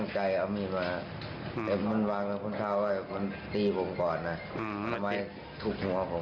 แต่มันวากในค้นเท้าไว้มันดีพอก่อนนะไม่ให้ถูกหัวผม